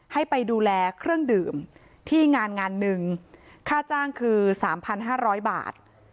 ให้ไปดูแลเครื่องดื่มที่งานงานหนึ่งค่าจ้างคือ๓๕๐๐บาท